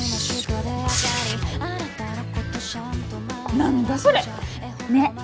何だそれねっ